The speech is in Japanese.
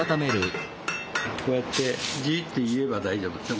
こうやってジーッて言えば大丈夫。